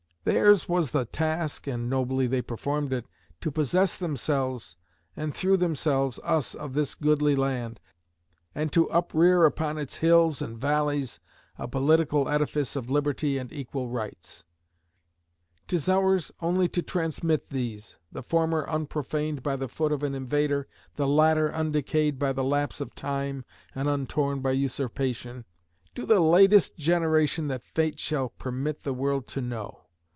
Theirs was the task (and nobly they performed it) to possess themselves, and, through themselves, us, of this goodly land, and to uprear upon its hills and valleys a political edifice of liberty and equal rights; 'tis ours only to transmit these the former unprofaned by the foot of an invader, the latter undecayed by the lapse of time and untorn by usurpation to the latest generation that fate shall permit the world to know.